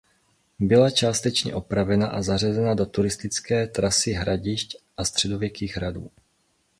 Byla částečně opravena a zařazena do turistické „Trasy hradišť a středověkých hradů“.